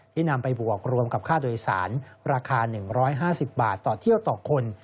นำไปบวกรวมกับค่าโดยสารราคา๑๕๐บาทต่อเที่ยวต่อคน